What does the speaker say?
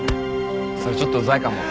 それちょっとうざいかも。